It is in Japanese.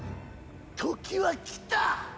時は来た！